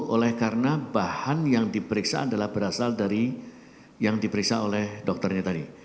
oleh karena bahan yang diperiksa adalah berasal dari yang diperiksa oleh dokternya tadi